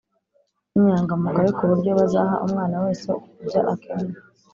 n’inyangamugayo ku buryo bazaha umwana wese ibyo akeneye